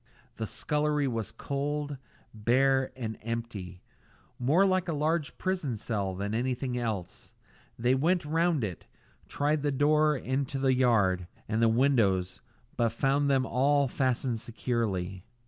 The scullery was cold, bare, and empty; more like a large prison cell than anything else. They went round it, tried the door into the yard, and the windows, but found them all fastened securely.